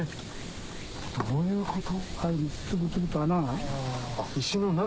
どういうこと？